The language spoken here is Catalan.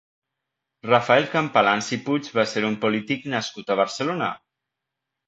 Rafael Campalans i Puig va ser un polític nascut a Barcelona.